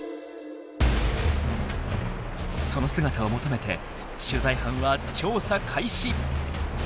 その姿を求めて取材班は調査開始。